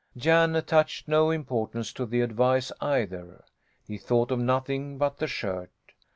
Jan attached no importance to the advice, either. He thought of nothing but the shirt.